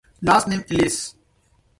Last name: Ellis.